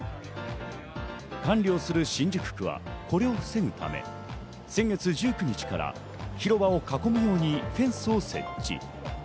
管理をする新宿区は、これを防ぐため先月１９日から広場を囲むようにフェンスを設置。